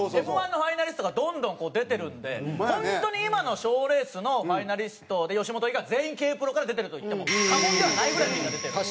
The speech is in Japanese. Ｍ−１のファイナリストがどんどんこう出てるんで本当に今の賞レースのファイナリストで吉本以外全員Ｋ−ＰＲＯから出てると言っても過言ではないぐらいみんな出てるんで。